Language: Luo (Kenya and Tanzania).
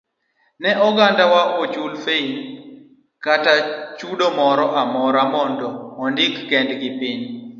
ni ogandawa ochul fain kata chudo moro amora mondo ondik kendgi piny.